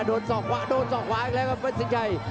โดนส่อคว้าโดนส่อคว้าอีกแล้วครับวันสินชัย